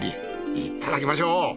いただきましょう。